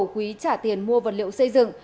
quý trả tiền mua vật liệu xây dựng